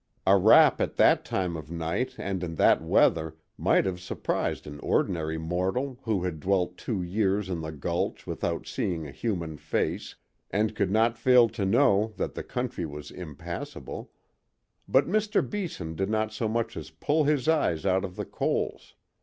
A rap at that time of night and in that weather might have surprised an ordinary mortal who had dwelt two years in the gulch without seeing a human face, and could not fail to know that the country was impassable; but Mr. Beeson did not so much as pull his eyes out of the coals.